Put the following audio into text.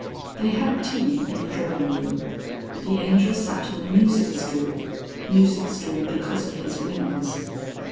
They had tea in the drawing room. The Angel sat on the music stool (music stool because of his wings).